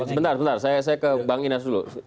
sebentar saya ke bang ines dulu